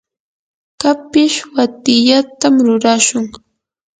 kapish watyatam rurashun.